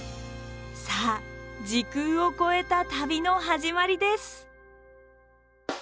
さあ時空を超えた旅の始まりです。